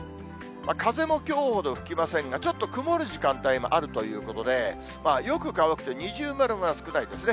風もきょうほど吹きませんが、ちょっと曇る時間帯もあるということで、よく乾くという二重丸が少ないですね。